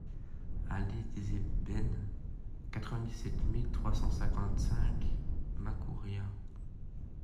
Allée des Ébènes, quatre-vingt-dix-sept mille trois cent cinquante-cinq Macouria